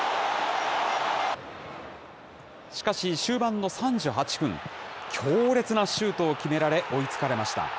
しかし、終盤の３８分、強烈なシュートを決められ、追いつかれました。